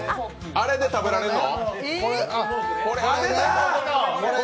あれで食べられるの？